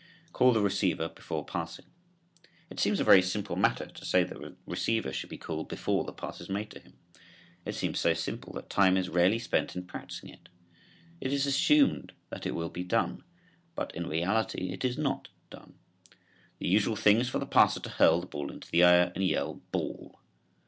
CALL THE RECEIVER BEFORE PASSING. It seems a very simple matter to say that the receiver should be called before the pass is made to him. It seems so simple that time is rarely spent in practicing it. It is assumed that it will be done, but in reality it is not done. The usual thing is for the passer to hurl the ball into the air and yell "ball."